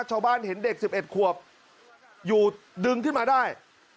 ชาวบ้านเห็นเด็ก๑๑ขวบอยู่ดึงขึ้นมาได้